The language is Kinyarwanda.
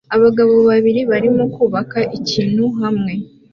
Abagabo babiri barimo kubaka ikintu hamwe